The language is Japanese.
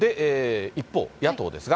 一方、野党ですが。